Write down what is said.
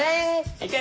いけ！